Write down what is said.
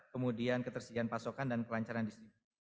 kemudian ketersediaan pasokan dan kelancaran distribusi